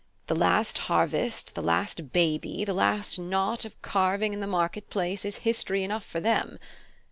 The last harvest, the last baby, the last knot of carving in the market place, is history enough for them.